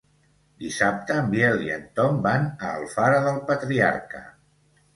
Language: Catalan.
Dissabte en Biel i en Tom van a Alfara del Patriarca.